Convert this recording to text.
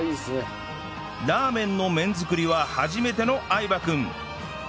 ラーメンの麺作りは初めての相葉君